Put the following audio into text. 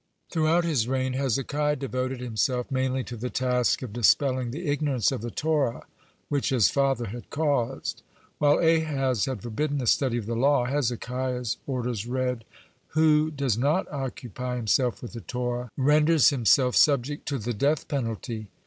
(49) Throughout his reign, Hezekiah devoted himself mainly to the task of dispelling the ignorance of the Torah which his father had caused. While Ahaz had forbidden the study of the law, Hezekiah's orders read: "Who does not occupy himself with the Torah, renders himself subject to the death penalty."